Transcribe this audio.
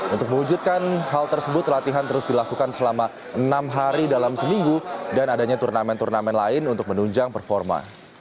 untuk mewujudkan hal tersebut latihan terus dilakukan selama enam hari dalam seminggu dan adanya turnamen turnamen lain untuk menunjang performa